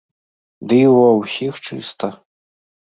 Ды і ўва ўсіх чыста.